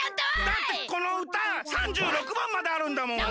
だってこのうた３６番まであるんだもん。